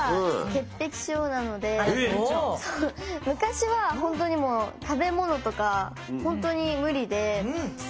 昔は本当にもう食べものとか本当に無理で。